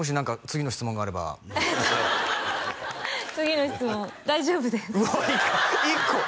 次の質問大丈夫です１個！